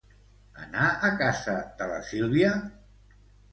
Anar a casa de la Sílvia?